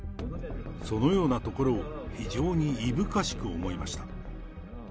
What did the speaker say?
そのようなところを、非常にいぶかしく思いました。